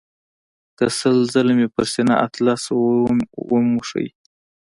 که سل ځله مې پر سینه اطلس ومیښ.